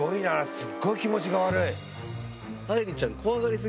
すごい気持ちが悪い。